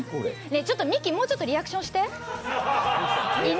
ミキ、もうちょっとリアクションして。